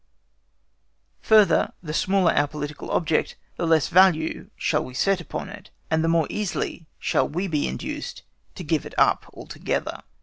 Further, the smaller our political object, the less value shall we set upon it, and the more easily shall we be induced to give it up altogether.